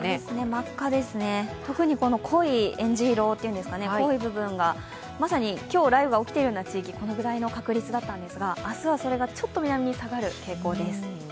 真っ赤ですね、特に濃いえんじい色、濃い部分が、まさに今日雷雨が起きているような地域、このぐらいの確率だったんですが、明日はそれがちょっと南に下がる傾向です。